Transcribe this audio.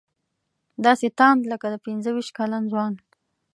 داسې تاند لکه د پنځه ویشت کلن ځوان.